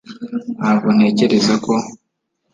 ntabwo ntekereza ko